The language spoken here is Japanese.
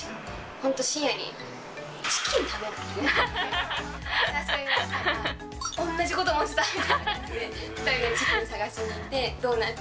本当、深夜にチキン食べない？って。